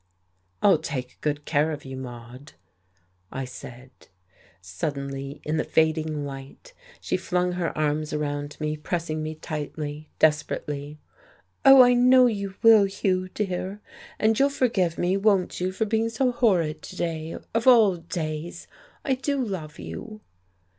"I'll take good care of you, Maude," I said. Suddenly, in the fading light, she flung her arms around me, pressing me tightly, desperately. "Oh, I know you will, Hugh, dear. And you'll forgive me, won't you, for being so horrid to day, of all days? I do love you!"